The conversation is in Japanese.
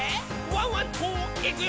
ワンワンといくよ」